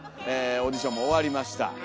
オーディションも終わりました。